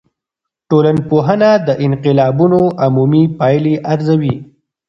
ټولنپوه د انقلابونو عمومي پایلي ارزوي.